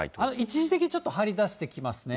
一時的にちょっと張り出してきますね。